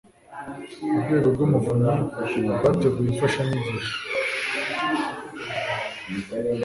urwego rw umuvunyi rwateguye imfashanyigisho